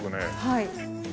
はい。